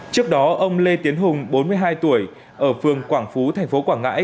trước đó ông lê tiến hùng bốn mươi hai tuổi ở phương quảng phú tp quảng ngãi